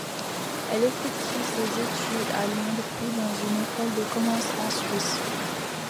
Elle effectue ses études à Londres puis dans une école de commerce en Suisse.